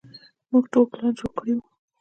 موږ ټول پلان جوړ کړى و.